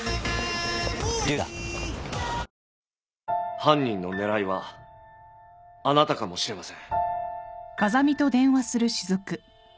犯人の狙いはあなたかもしれません。